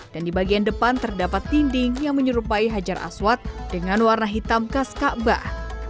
dan di bagian depan terdapat tinding yang menyerupai hajar aswat dengan warna hitam khas ka'bah